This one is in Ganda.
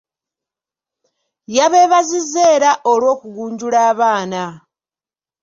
Yabeebazizza era olw'okugunjula abaana.